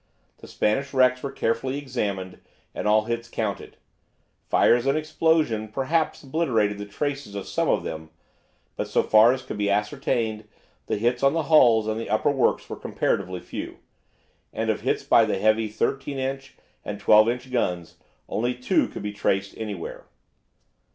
The Spanish wrecks were carefully examined, and all hits counted. Fires and explosions perhaps obliterated the traces of some of them, but so far as could be ascertained, the hits on the hulls and the upper works were comparatively few. And of hits by the heavy 13 inch and 12 inch guns, only two could be traced anywhere.